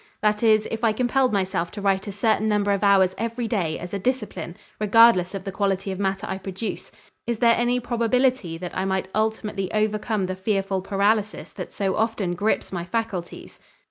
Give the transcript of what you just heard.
That is, if I compelled myself to write a certain number of hours every day as a discipline, regardless of the quality of matter I produce, is there any probability that I might ultimately overcome the fearful paralysis that so often grips my faculties?